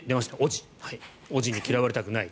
おぢに嫌われたくない。